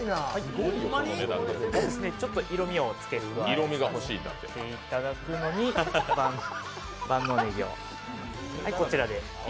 ちょっと色みをつけていただくのに、万能ねぎを。